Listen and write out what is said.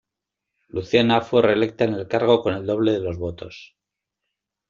Luciana fue reelecta en el cargo con el doble de los votos.